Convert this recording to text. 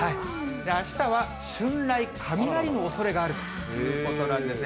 あしたは春雷、雷のおそれがあるということなんですね。